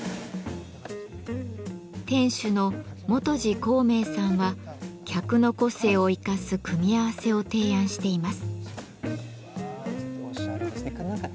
店主の泉二弘明さんは客の個性を生かす組み合わせを提案しています。